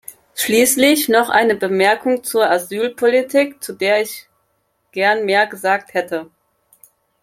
Schließlich noch eine Bemerkung zur Asylpolitik, zu der ich gern mehr gesagt hätte.